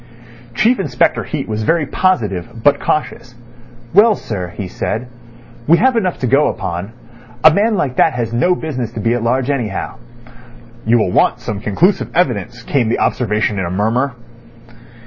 Chief Inspector Heat was very positive, but cautious. "Well, sir," he said, "we have enough to go upon. A man like that has no business to be at large, anyhow." "You will want some conclusive evidence," came the observation in a murmur.